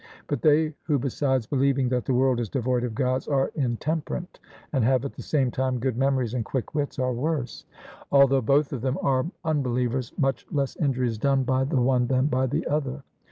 But they who besides believing that the world is devoid of Gods are intemperate, and have at the same time good memories and quick wits, are worse; although both of them are unbelievers, much less injury is done by the one than by the other.